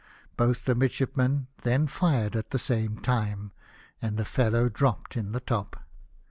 Both the midshipmen 320 LIFE OF NELSON. then fired at the same time, and the fellow dropped in the top.